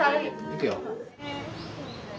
行くよ。